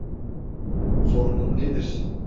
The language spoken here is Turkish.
Sorunun nedir?